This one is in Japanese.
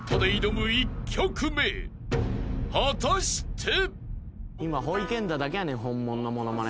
［果たして？］